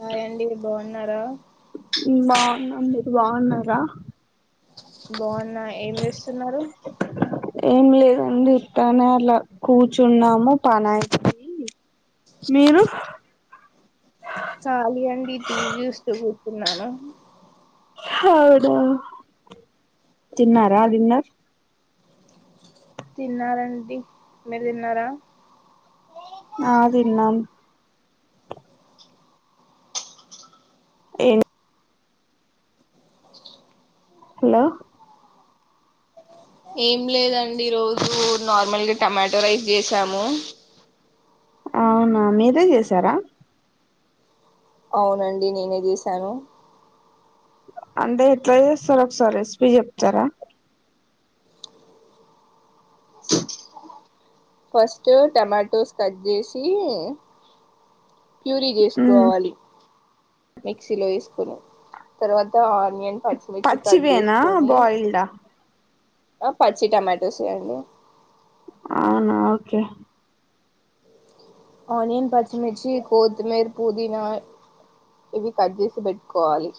Hi అండి బాగున్నారా బాగున్నా మీరు బాగున్నారా బాగున్నా ఏం చేస్తున్నారు ఏం లేదండి ఇట్నే అలా కూర్చున్నాము పనయికి మీరు ఖళీ అండి టీవీ చూస్తూ కూర్చున్నాను అవునా తన్నారా డిన్నర్ తిన్నారండి మీరు తిన్నారా ఆ తిన్నాం ఏను హలో ఏం లేదండి రోజు నార్మల్గా టమాటో రైస్ చేసాము అవునా మీరే చేసారా అవునండి నేనే చేశాను అంటే ఎట్లా చేస్తారు ఒకసారి రెసిపీ చెప్తారా ఫస్ట్ టమాటోస్ కట్ చేసి ప్యూరీ ఉమ్ చేసుకోవాలి మిక్సీలో వేసుకొని తర్వాత ఆనియన్ పచ్చిమిర్చి పచ్చి కట్ వేనా చేసుకొని బయిల్డా ఆ పచ్చి టమాటోస్ అండి అవునా ఓకే ఆనియన్ పచ్చిమిర్చి కొత్మీర్ పుదీనా ఇవి కట్ చేసి పెట్టుకోవాలి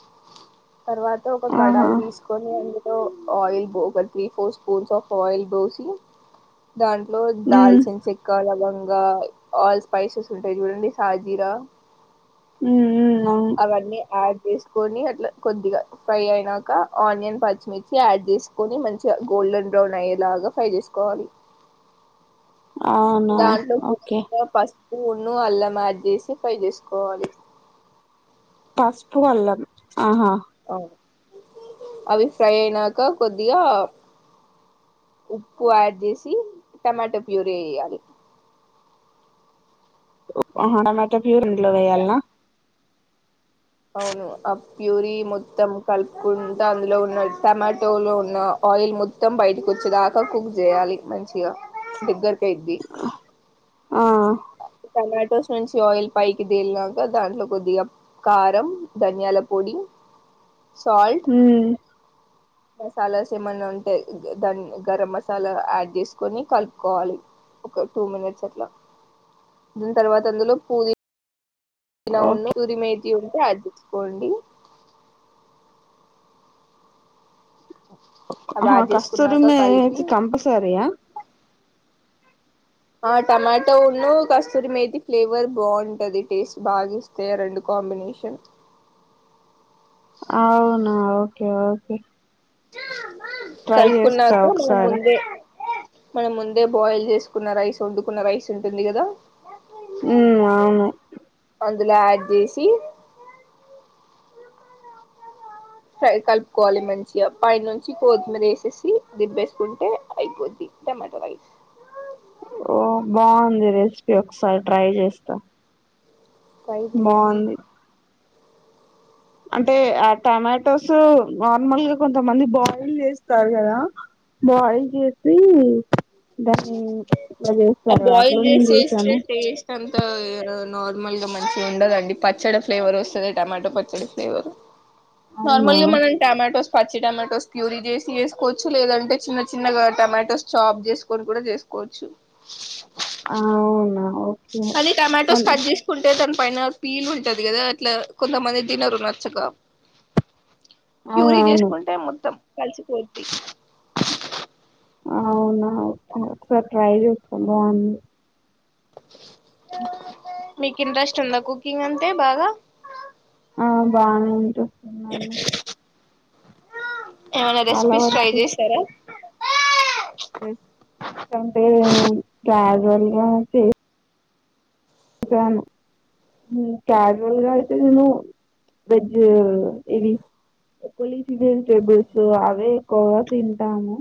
తర్వాత ఒక ఆహా కడాయి తీసుకొని అందు లో ఆయిల్ పో ఒక three four spoons of oil పోసి దాంట్లో ఉమ్ దాల్చిన చెక్క లవ ఇంకా ఆల్ స్పైసెస్ ఉంటాయి చూడండి సాజీరా ఉ ఉ అవన్ని ఆ చేసుకొని అట్లా కొద్దిగా ఫ్రై అయినాక ఆనియన్ పచ్చిమిర్చి యాడ్ చేసుకొని మంచిగా గోల్డెన్ బ్రౌన్ అయ్యేలాగా ఫ్రై చేసుకోవాలి. అవునా ఓకే పున్ను అల్లం యాడ్ చేసి ఫ్రై చేసుకోవాలి పసుపు అల్లం ఆహా అవి ఫ్రై అయినాక కొద్దిగా ఉప్పు యాడ్ చేసి టమాటో ప్యూరీ వేయాలి ఆ హ టమాటో ప్యూర్ అందులో వేయాల్నా అవును ఆ ప్యూరీ మొత్తం కలుపుకుంటా అందులో ఉన్న టమాటో లో ఉన్న ఆయిల్ మొత్తం బయటకు వచ్చేదాకా కుక్ చేయాలి మంచిగా దగ్గరి కి అయిద్ది ఆ టొమాటోస్ నుంచి ఆయిల్ పైకి తేలినాక దాంట్లో కొద్దిగా కారం ధనియాల పొడి సాల్ట్ ఉమ్ మసాలాస్ ఏమన్నా ఉంటే దాన్ని గరం మసాలా యాడ్ చేసుకొని కలుపుకోవాలి ఒక టూ మినిట్స్ అట్లా దీని తర్వాత అందులో పూది పుదీనా వున్ను ఓకే తురిమీ ఉంటే అది చ్చుకోండి అవి యాడ్ కస్తూరి చేసుకున్నాక కలిపి మేతి కంపల్సరియా ఆ టమాటో వున్ను కస్తూరి మేతి ఫ్లేవర్ బాగుంటది టేస్ట్ బాగా చూస్తే రెండు కాంబినేషన్ అవునా ఓకే ఓకే ట్రై చేస్తా కలుపుకున్నాక మనం ఒకసారి ముందే మనం ముందే బాయిల్ చేసుకున్న రైస్ వండుకున్న రైస్ ఉంటుంది కదా ఉ అవును అందులో యాడ్ చేసి ఫ్రై కలుపుకోవాలి మంచిగా పై నుంచి కొత్తిమీర వేసేసి దింపేసుకుంటే అయిపోద్ది టమాటో రైస్ ఓ బాగుంది రెసిపీ ఒకసారి ట్రై చేస్తా ట్రై చేయండి బాగుంది అంటే ఆ టమాటోస్ నార్మల్ గా కొంతమంది బాయిల్ చేస్తారు కదా బాయిల్ చేసి దాన్ని ఇట్లా చేస్తారు అట్లా నేను చూసాను తా నార్మల్ గా మంచిగా ఉండదండి పచ్చడి ఫ్లేవర్ వస్తుంది టమాటో పచ్చడి ఫ్లేవర్ అవునా నార్మల్ గా మనం టమాటోస్ పచ్చి టమాటోస్ ప్యూరీ చేసి వేసుకోవచ్చు లేదంటే చిన్న చిన్నగా టమాటోస్ చాప్ చేసుకో కొన్ని కూడా చేసుకోవచ్చు ఆ అవునా ఓకే అది టమాటోస్ కట్ చేసుకుంటే తను పైన ఫీల్ ఉంటది కదా అట్లా కొంతమంది తినరు నచ్చక ప్యూరీ అవునవును చేసుకుంటే మొత్తం కలిసిపోద్ది అవునా ఒక ఒకసారి ట్రై చేస్తాం బావుంది మీ ఇంట్రెస్ట్ ఉందా కుకింగ్ అంటే బాగా ఆ బానే ఉంటు ఉంది అండి ఏమైనా రెసిపీస్ ట్రై చేసారా తీంట రాజ యాక్చువల్ గా తంటాను క్యాజువల్గా అయితే నేను వెజ్ ఇవి ఎలీసి వెజిటేబుల్స్ అవే ఎక్కువగా తింటాను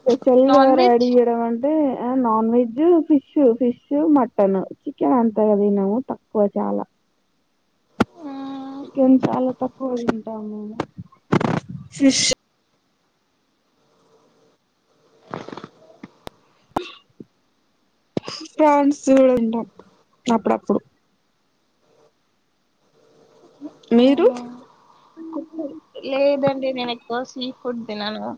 స్పెషల్ నాన్ గారు వెజ్ అడి గడ అంటే ఆ non veg fish fish mutton chicken అంత కద నవవు తక్కువ చాలా మ్మ్ చికెన్ చాలా తక్కువ తింటాము మేము ఫిష్ ఫన్స్ కూడా ఉంటాం అప్పుడప్పుడు మీరు అవునా లేదండి నేను ఎక్కువసి ఫుడ్ తిన్ననుగా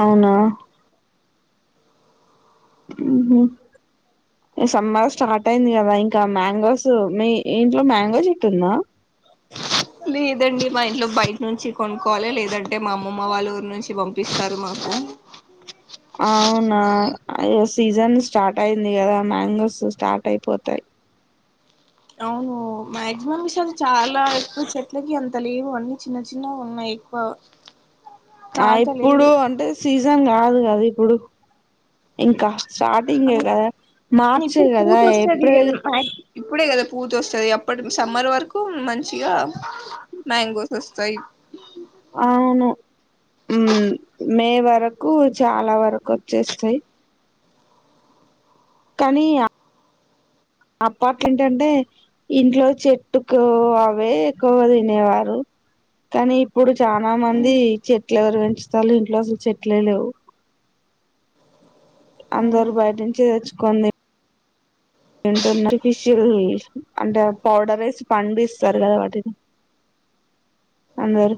అవునా ఉహుమ్ సమ్మర్ స్టార్ట్ అయింది కదా ఇంకా మ్యాంగోస్ మీ ఇంట్లో మ్యాంగోస్ చెటు ఉందా లేదండి మా ఇంట్లో బయట నుంచి కొనుక్కవాలి లేదంటే మా అమ్మమ్మ వాళ్ళు ఊరి నుంచి పంపిస్తారు మాకు అవునా అ అధే సీజన్ స్టార్ట్ అయింది కదా మ్యాంగోస్ స్టార్ట్ అయిపోతాయి అవును మ్యాక్సిమ విష చాలా ఎక్కువ చె అట్లాకి అంత లేవు అన్ని చిన్న చిన్న ఉన్నాయి ఎక్కువ ఆ కాత ఇప్పుడు లేవు అంటే సీజ జన్ కాదు కదు ఇప్పుడు ఇంకా స్టార్టింగ్ అని కదా మార్చ్ ఇప్పుడు కదా పూత ఏప్రిల్ పూజ వస్తుంది అప్పటి సమ్మర్ వరకు మంచిగా మ్యాంగోస్ వస్తాయి అవును ఉమ్ మే వరకు చాలా వరకు వచ్చేస్తాయి కానీ అప్పట్లు ఏంటంటే ఇంట్లో చెట్టుకు అవే ఎక్కువ తినేవారు కానీ ఇప్పుడు చాలా మంది చెట్లు ఎవలు పెంచుతారు ఇంట్లో అసలు చెట్లే లేవు అందరు బయటినుంచి తెచ్చుకోండి తింటున్నారు ఫిష్యుమి అంటే పౌడర్ నేసి పండు ఇస్తారు కదా వాటిని అందరు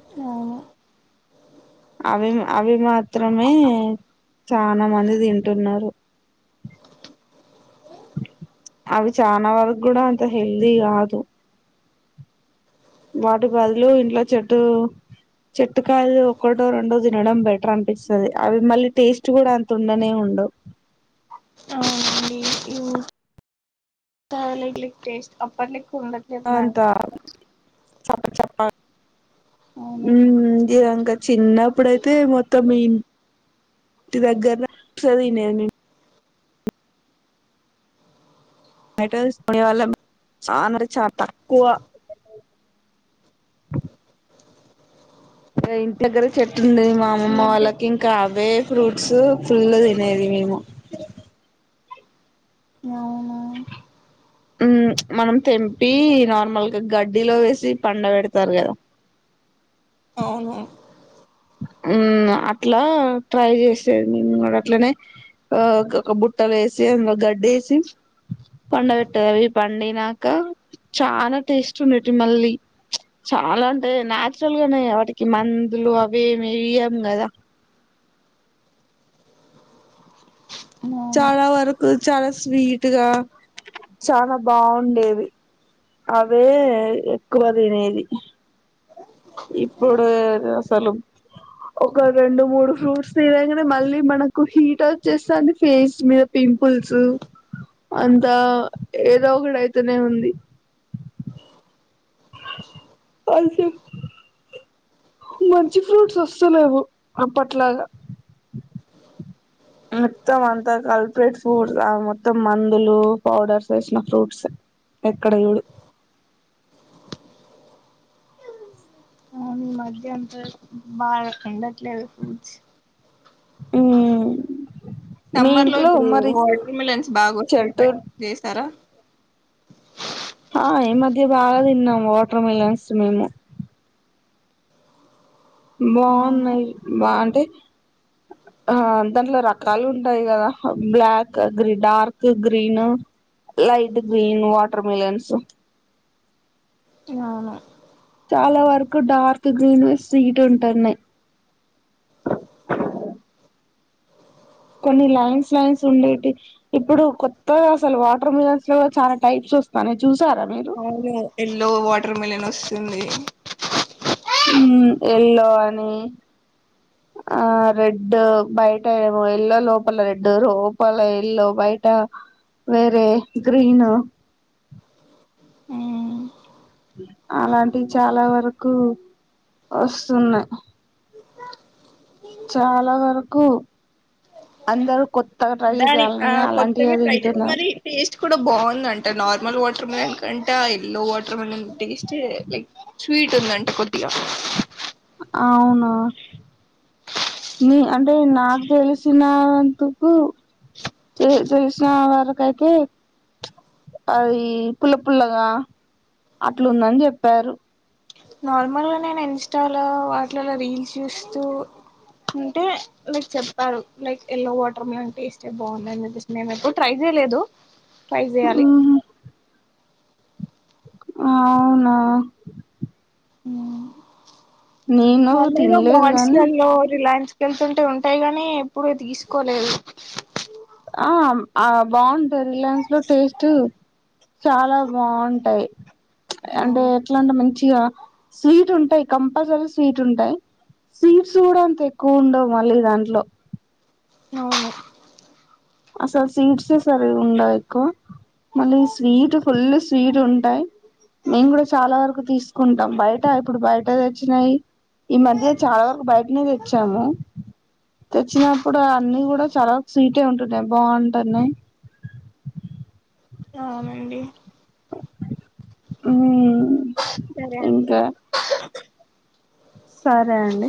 అవి అవి మాత్రమే చాలా మంది తింటున్నారు అవి చాన వరకు కూడా అంత హెల్తీ కాదు వాటి బదులు ఇంట్లో చెట్టు చెట్టుకాయలు ఒకటో రెండో తినడం బెటర్ అనిపిస్తుంది అవి మళ్ళీ టేస్ట్ కూడా అంత ఉండనే ఉండవు అండి [unintelligible] ఇ్లిక్ టేస్ట్ అప్పర్లిక్ కుందట్యాలేదు అంత మేడం చప్ప చప్ప అవును ఉ ఇక చిన్నప్పుడైతే మొత్తం మీ ఇంటి దగ్గర చదివిండేది మీము మట వ [unintelligible] చాన చాలా తక్కువ ఇగ ఇంటి దగ్గర చెట్టు ఉండేది మ్యా ఈ అమ్మమ్మ మధ్య వాళ్ళకి ఇంకా కాద్ ఏ ఫ్రూట్స్ ఫుల్ గా తినేది మేము అవును మ్మ్ మనం తెంపి నార్మల్గా గడ్డిలో వేసి పండ పెడతారు కదా అవునునవును అట్లా ట్రై చేసేది మేము కూడా అట్లనే ఒక బుట్టలు వేసి అందులో గడ్డి వేసి పండ పెట్టేది అవి పండినాక చాలా టేస్ట్ ఉండటి మళ్ళీ చాలా అంటే నాచురల్ గానే వాటికి మందులు అవి ఏమ్ వేయ్యం కదా అవును చాలా వర్కు చాలా స్వీట్గా చాలా బాగుండేది అవే ఎక్కువ తినేది ఇప్పుడు అసలు ఒక రెండు మూడు ఫ్రూట్స్ తిన్నగానీ మళ్ళీ మనకు హీట్ వచ్చెస్తాంది, ఫేస్ మీద పింపుల్స్ అంత ఏదో ఒకటి అయితేనే ఉంది. ఆన్ చేయ్ మంచి ఫ్రూట్స్ వస్తలేవు అప్పట్లాగా మొత్తం అంతా హైబ్రేట్ ఫ్రూట్స్ మొత్తం మందులు పౌడర్స్ వేసిన ఫ్రూట్స్ ఎక్కడ చూడి ఇమధ్యంత బాగా ఉండట్లేదు ప్రూట్స్ మ్మ్ సమ్మర్ లో ఇప్పుడు వాటర్ మిలన్స్ బాగా చెట్టు వస్తాయి చేసారా ఆ ఈ మధ్య బాగా తిన్నాము వాటర్ మిలన్స్ మేము అవును బాగున్నాయి అంటే ఆ దాంట్లో రకాలు ఉంటాయి కదా బ్లాక్ గ్రీ dark green light green watermelons అవును చాలా వరకు డార్క్ గ్రీన్ ఎ స్వీట్ ఉంటున్నాయి. కొన్ని లైన్స్ లైన్స్ ఉండేటివి ఇప్పుడు కొత్తగా అసలు వాటర్ మిలన్స్ లో చాలా టైప్స్ వస్తాన్నాయి చూ అవును ఎల్లో వాటర్ మిలను తొమ్మిది ఉ ఎల్లో అని ఆ రెడ్ బయట ఏమో ఎల్లో లోపల రెడ్ లోపల ఎల్లో బయట వేరే గ్రీన్ అలాంటివి చాలా వరకు వస్తున్నాయి. చాలా వరకు అందరు కొత్త మరి టేస్ట్ కూడా బాగుంది అంట నార్మల్ వాంట వాటర్ మలన్ కంటా ఎల్లో వాటర్మెెలన్ టేస్ట్ ఎక్ స్వీట్ ఉంద అంట కొద్దిగా అవునా న అంటే నాకు తెలిసినందుకు తెలిసిన వరక అయితే అది పుల్ల పల్లగా అట్లుందని చెప్పారు నార్మల్గా నేను ఇన్స్టాలో వాటిలలో రీల్స్ చూస్తూ ఉంటే లైక్ చెప్పారు లైక్ ఎల్లో వాటర్ మిలన్ అంటే టెస్ట్ బాగుందిని చెప్పేసి మేము ఎప్పుడు ట్రై చేయలేదు ట్రై చేయాలి అవునా నేను నార్మ్ ల్గ తినలేదు మాల్స్ గానీ లల్లో రిలయన్స్ వెళ్తుంటే ఉంటాయి గాని ఎప్పుడు తీసుకోలేదు ఆ ఆ బాగుంటాయి రిలయన్స్ లో టేస్ట్ చాలా బాగుంటాయి అంటే అవును ఎట్లా అంటే మంచిగా స్వీట్ ఉంటాయి కంపల్సరీ స్వీట్ ఉంటాయి స్వీట్స్ కూడా అంత ఎక్కువ ఉండవు మళ్ళీ దాంట్లో అవును అసలు స్వీట్సే సరిగా ఉండవు ఎక్కువ మళ్ళీ స్వీట్ ఫుల్ స్వీట్ ఉంటాయి మేము కూడా చాలా వరకు తీసుకుంటాం బయట ఇప్పుడు బయట తెచ్చినాయి ఈ మధ్య చాలా వరకు బయటనే తెచ్చాము తెచ్చినప్పుడు అన్ని కూడా చాలా వరకు స్వీటే వుంట్ బాగుంటన్నయి అవునండి అ మ్మ్ సరే ఐతే సరే అండి